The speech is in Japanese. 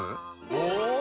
お！